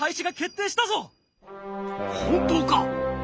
本当か！